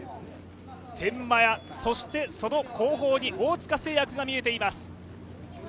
天満屋、そしてその後方に大塚製薬が見えております。